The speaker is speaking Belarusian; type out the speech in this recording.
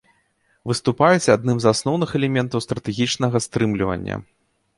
Выступаюць адным з асноўных элементаў стратэгічнага стрымлівання.